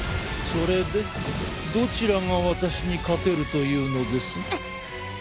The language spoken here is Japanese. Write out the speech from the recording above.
それでどちらが私に勝てるというのです？